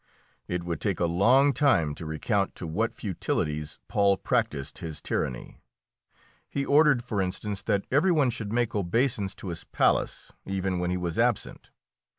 It would take a long time to recount to what futilities Paul practised his tyranny. He ordered, for instance, that every one should make obeisance to his palace, even when he was absent.